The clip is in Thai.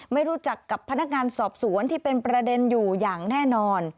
ไม่รู้จักกับพนักงานสอบสวนที่เป็นประเด็นอยู่อย่างแน่นอน